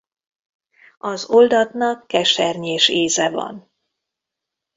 Az oldatnak kesernyés íze van.